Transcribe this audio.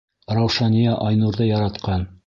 Раушания Айнурҙы яратҡан.